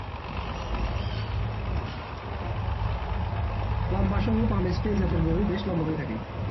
লম্বা সরু পা বিশিষ্ট এ জাতের গরু বেশ লম্বা হয়ে থাকে।